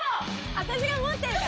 私が持ってるから。